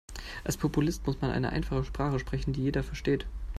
Als Populist muss man eine einfache Sprache sprechen, die jeder versteht.